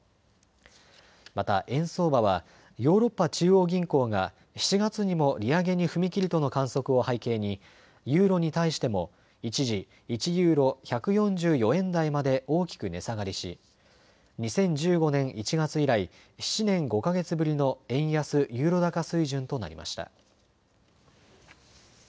また、円相場はヨーロッパ中央銀行が７月にも利上げに踏み切るとの観測を背景にユーロに対しても一時、１ユーロ１４４円台まで大きく値下がりし２０１５年１月以来、７年５か月ぶりの円安ユーロ高水準となりました。